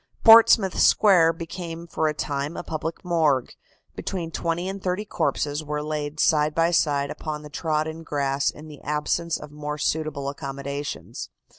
Portsmouth Square became for a time a public morgue. Between twenty and thirty corpses were laid side by side upon the trodden grass in the absence of more suitable accommodations.